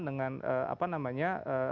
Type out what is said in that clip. dengan apa namanya